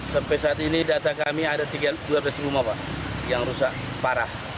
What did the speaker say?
sampai saat ini data kami ada dua belas rumah pak yang rusak parah